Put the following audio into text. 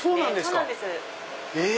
そうなんですか！